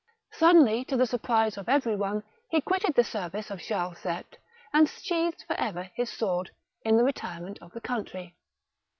Suddenly, to the surprise of every one, he quitted the service of Charles VH., and sheathed for ever his sword, in the retirement of the country.